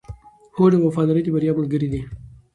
هوډ او وفاداري د بریا ملګري دي.